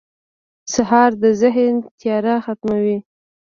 سهار د ذهن تیاره ختموي.